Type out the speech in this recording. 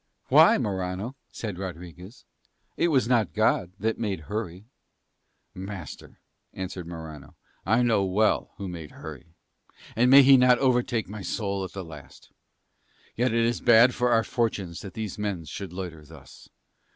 "Why, Morano?" said Rodriguez. "It was not God that made hurry." "Master," answered Morano, "I know well who made hurry. And may he not overtake my soul at the last. Yet it is bad for our fortunes that these men should loiter thus.